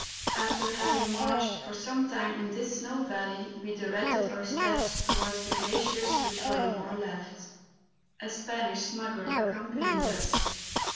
After having marched for some time in this snow valley, we directed our steps towards the gla¬ ciers which were on our left. A Spanish smuggler accompanied us.